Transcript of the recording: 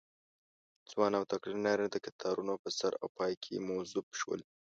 ځوان او تکړه نارینه د کتارونو په سر او پای کې موظف شول.